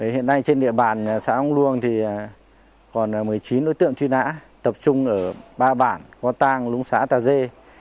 hiện nay trên địa bàn xã long luông còn một mươi chín đối tượng truy nã tập trung ở ba bản qua tàng lũng xã tà dê